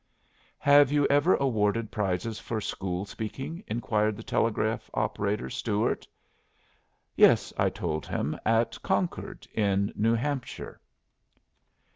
"Have you ever awarded prizes for school speaking?" inquired the telegraph operator, Stuart. "Yes," I told him. "At Concord in New Hampshire."